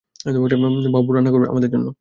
Bob রান্না করবে আমাদের জন্য।